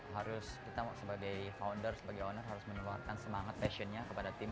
harus kita sebagai founder sebagai owner harus menularkan semangat passionnya kepada tim